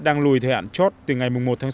đang lùi thời hạn chót từ ngày một tháng sáu